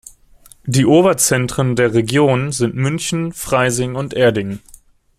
Die Oberzentren der Region sind München, Freising und Erding.